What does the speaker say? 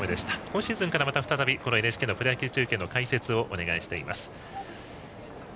今シーズンから再びＮＨＫのプロ野球中継の解説をお願いしています。